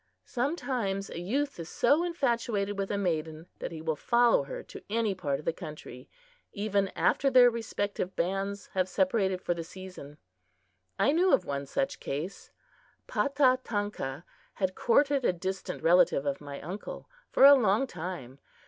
Sometimes a youth is so infatuated with a maiden that he will follow her to any part of the country, even after their respective bands have separated for the season. I knew of one such case. Patah Tankah had courted a distant relative of my uncle for a long time.